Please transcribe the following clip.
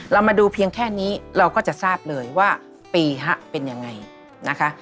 เรามาดูเพียงแค่นี้เราก็จะทราบเลยว่าปีฮะเป็นยังไงนะคะ